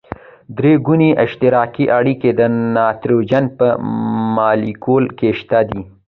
درې ګوني اشتراکي اړیکه د نایتروجن په مالیکول کې شته ده.